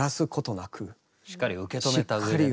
しっかり受け止めたうえでね。